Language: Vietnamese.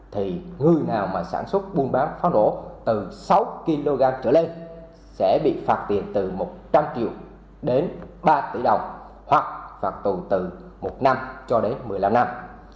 thì người nào mà sản xuất buôn bán pháo nổ từ sáu kg trở lên sẽ bị phạt tiền từ một trăm linh triệu đến ba tỷ đồng hoặc phạt tù từ một năm cho đến một mươi năm năm